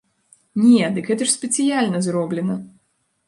Не, дык гэта ж спецыяльна зроблена!